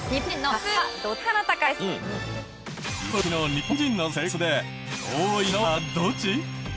今どきの日本人の生活で多いのはどっち？